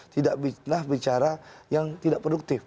tidak bicara yang tidak produktif